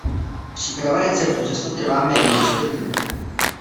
Příprava receptu často trvá méně než pět minut.